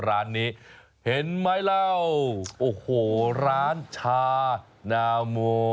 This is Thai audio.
ร้านนี้เห็นไหมเล่าโอ้โหร้านชานาโม